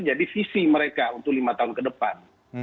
jadi visi mereka untuk lima tahun ke depan